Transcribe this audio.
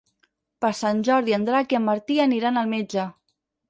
Per Sant Jordi en Drac i en Martí aniran al metge.